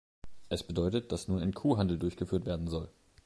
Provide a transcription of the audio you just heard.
Es bedeutet, dass nun ein Kuhhandel durchgeführt werden soll.